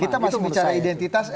kita masih bicara identitas